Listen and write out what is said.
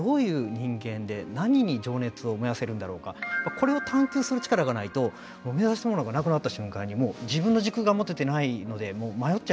これを探究する力がないともう目指したものがなくなった瞬間にもう自分の軸が持ててないのでもう迷っちゃいますよね。